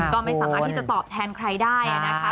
ก็ไม่สามารถที่จะตอบแทนใครได้นะคะ